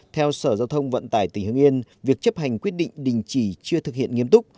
theo sở giao thông vận tải tỉnh hưng yên việc chấp hành quyết định đình chỉ chưa thực hiện nghiêm túc